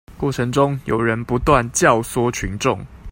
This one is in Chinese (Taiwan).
過程中有人不斷教唆群眾